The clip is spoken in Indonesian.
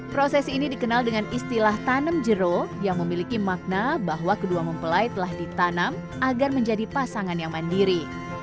proses ini dikenal dengan istilah tanam jero yang memiliki makna bahwa kedua mempelai telah ditanam agar menjadi pasangan yang mandiri